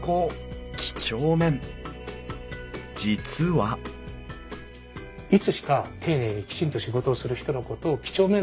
実はいつしか丁寧にきちんと仕事をする人のことを几帳面な人と。